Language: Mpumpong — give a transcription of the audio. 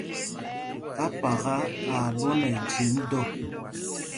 ́Ápaka a lwɔɔ nɛ ɛjem dɔ.